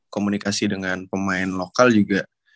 komunikasi dengan pemain lokal juga